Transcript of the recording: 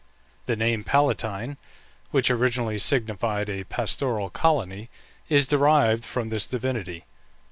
The name Palatine, which originally signified a pastoral colony, is derived from this divinity.